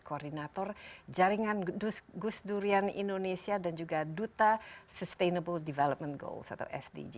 koordinator jaringan gus durian indonesia dan juga duta sustainable development goals atau sdg